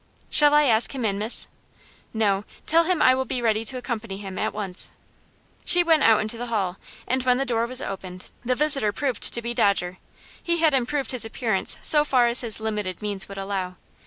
"Shall I ask him in, miss?" "No. Tell him I will be ready to accompany him at once." She went out into the hall, and when the door was opened the visitor proved to be Dodger. He had improved his appearance so far as his limited means would allow.